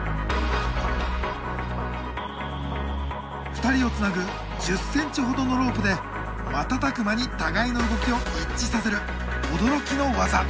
２人をつなぐ１０ｃｍほどのロープで瞬く間に互いの動きを一致させる驚きの技。